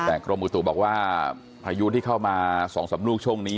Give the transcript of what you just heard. แต่กรมอุตุบอกว่าพายุที่เข้ามา๒๓ลูกช่วงนี้